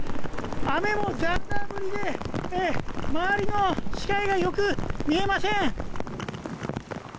雨もザーザー降りで周りの視界がよく見えません。